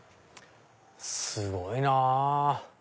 すごいなぁ。